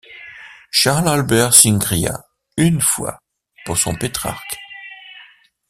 Charles-Albert Cingria, une fois, pour son Pétrarque.